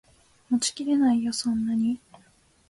持ちきれないよそんなに